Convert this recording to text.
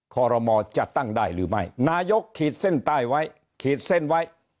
คอรมอจะตั้งได้หรือไม่นายกขีดเส้นใต้ไว้